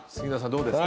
どうですか？